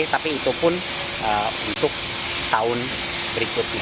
tapi itu pun untuk tahun berikutnya